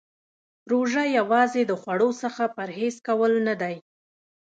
روژه یوازې د خوړو څخه پرهیز کول نه دی .